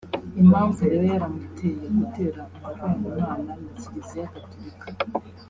Impamvu yaba yaramuteye gutera umugongo Imana na Kiliziya Gatolika